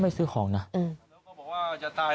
ตายเพื่อป้องกันตัวไว้